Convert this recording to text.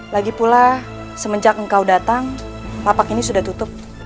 lagi pula semenjak engkau datang lapak ini sudah tutup